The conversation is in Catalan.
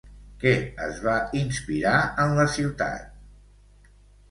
Què es va inspirar en la ciutat?